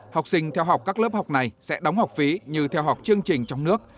học sinh theo học các lớp học này sẽ đóng học phí như theo học chương trình trong nước